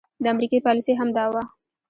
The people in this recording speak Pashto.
د امريکې پاليسي هم دا وه